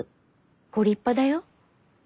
ご立派だよ。